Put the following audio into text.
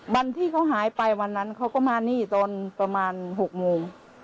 วันที่เขาหายไปวันนั้นเขาก็มานี่ตอนประมาณ๖โมง